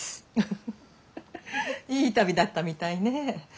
フフフいい旅だったみたいね。